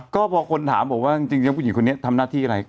ก็พอคนถามบอกว่าจริงแล้วผู้หญิงคนนี้ทำหน้าที่อะไร